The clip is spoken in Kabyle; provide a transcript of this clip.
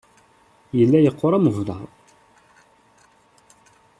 Yella yeqqur am ublaḍ.